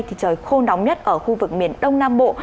thì trời khô nóng nhất ở khu vực miền đông nam bộ